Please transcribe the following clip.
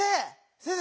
先生